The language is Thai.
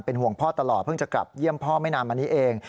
ห่วงพ่อตลอดเพิ่งจะกลับเยี่ยมพ่อไม่นานมานี้เอง